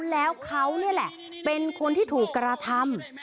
แล้วเขานี่แหละเป็นคนที่ถูกกระทำ